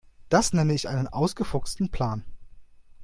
Das nenne ich einen ausgefuchsten Plan.